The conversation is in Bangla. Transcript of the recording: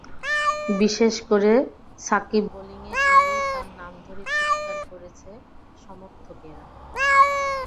বিশেষ করে সাকিব বোলিংয়ে এলেই তাঁর নাম ধরে চিৎকার করেছে সমর্থকেরা।